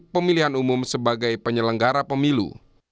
pemilihan umum sebagai penyelenggara pemilu